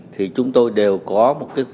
thì chúng tôi đều có một cái